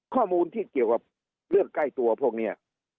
ข้อมูลที่เกี่ยวกับเรื่องใกล้ตัวพวกนี้